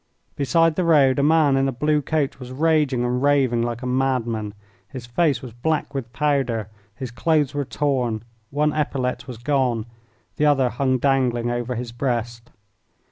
Beside the road a man in a blue coat was raging and raving like a madman. His face was black with powder, his clothes were torn, one epaulette was gone, the other hung dangling over his breast.